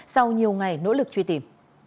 sau nhiều ngày nỗ lực truy tìm